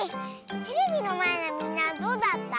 テレビのまえのみんなはどうだった？